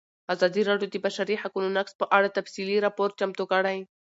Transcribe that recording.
ازادي راډیو د د بشري حقونو نقض په اړه تفصیلي راپور چمتو کړی.